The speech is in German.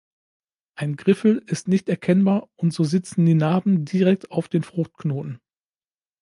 Ein Griffel ist nicht erkennbar und so sitzen die Narben direkt auf den Fruchtknoten.